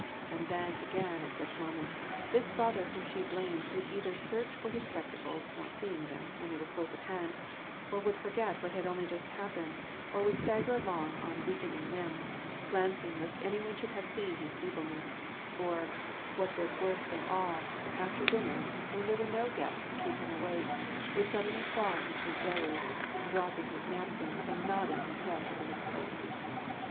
And then, agp.in, at such moments, this father whom she blamed would either search for his spectacles, not seeing them when they were close at hand, or would forget what had only just hap pened, or would stagger along on weakening limbs, glancing around lest any one should have seen his feebleness, — or, what 816 WAR AND PEACE. was worse than all, after dinner, when there were no guests to keep him awake, would suddenly fall into a doze, dropping his napkin, and nodding his head over his plate.